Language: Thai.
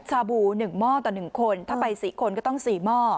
ชาบู๑หม้อต่อ๑คนถ้าไป๔คนก็ต้อง๔หม้อ